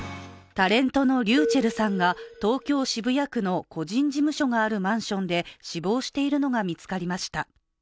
タレントのｒｙｕｃｈｅｌｌさんが東京・渋谷区の個人事務所があるマンションで死亡しているのが見つかりました。